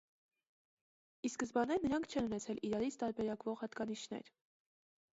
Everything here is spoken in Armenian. Ի սկզբանե նրանք չեն ունեցել իրարից տարբերակվող հատկանիշներ։